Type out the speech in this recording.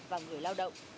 và người lao động